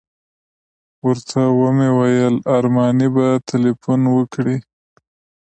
ورته ومې ویل ارماني به تیلفون وکړي.